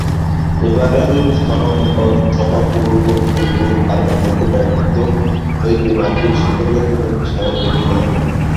এবারেও স্বয়ংবর-সভা পূর্ব পূর্ব বারের মত ব্যর্থ হইবে ভাবিয়া সকলেই নিরুৎসাহ হইতে লাগিল।